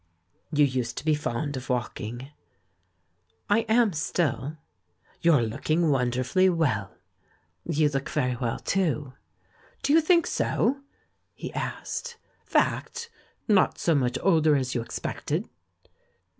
"You used to be fond of walking." "I am still." "You're looking wonderfully well." "You look very w^ell, too." "Do you think so?" he asked. "Fact? Not so much older as you expected?"